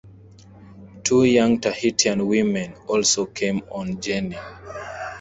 Two young Tahitian women also came on "Jenny".